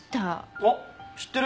あっ知ってる！